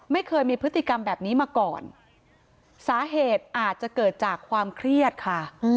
ไม่เคยมีพฤติกรรมแบบนี้มาก่อนสาเหตุอาจจะเกิดจากความเครียดค่ะ